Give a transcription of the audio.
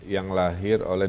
yang lahir oleh